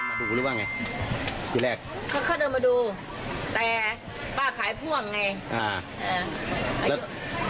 เขาเดินดูแต่ป้าขายพ่วง